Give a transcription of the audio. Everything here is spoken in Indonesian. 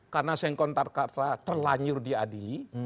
karena sengkontar kata terlanjur di adi